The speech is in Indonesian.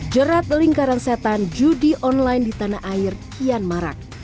jerat lingkaran setan judi online di tanah air kian marak